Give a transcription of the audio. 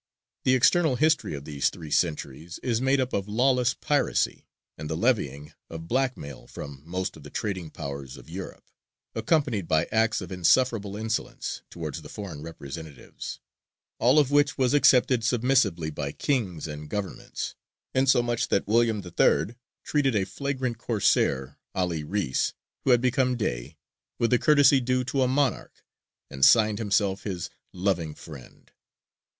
The external history of these three centuries is made up of lawless piracy and the levying of blackmail from most of the trading powers of Europe, accompanied by acts of insufferable insolence towards the foreign representatives; all of which was accepted submissively by kings and governments, insomuch that William III. treated a flagrant Corsair, 'Ali Reïs, who had become Dey, with the courtesy due to a monarch, and signed himself his "loving friend."